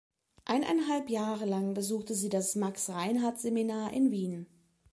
Eineinhalb Jahre lang besuchte sie das Max-Reinhardt-Seminar in Wien.